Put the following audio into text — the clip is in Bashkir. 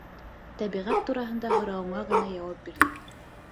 Тәбиғәт тураһында һорауыңа ғына яуап бирҙем.